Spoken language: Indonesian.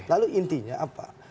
lalu intinya apa